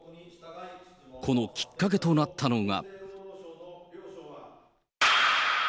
このきっかけとなったのが。